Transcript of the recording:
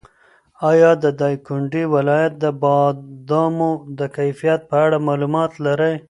ایا د دایکنډي ولایت د بادامو د کیفیت په اړه معلومات لرې؟